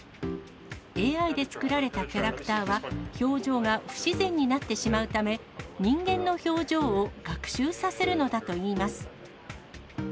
ＡＩで作られたキャラクターは、表情が不自然になってしまうため、人間の表情を学習させるのだといいます。